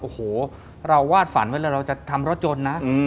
โอ้โหเราวาดฝันไว้เลยเราจะทำรถยนต์นะ